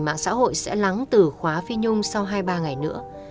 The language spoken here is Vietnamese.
mạng xã hội sẽ lắng từ khóa phi nhung sau hai ba ngày nữa